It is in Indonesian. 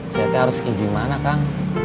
saya harus pergi gimana kak